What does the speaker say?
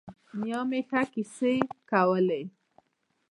نیا مې ښه کیسې کولې.